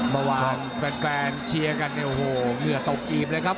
เมื่อวานแฟนเชียร์กันเนี่ยโอ้โหเหงื่อตกกีบเลยครับ